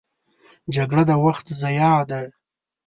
جګړه د وخت ضیاع ده